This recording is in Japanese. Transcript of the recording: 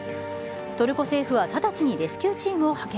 トルコ政府は直ちにレスキューチームを派遣。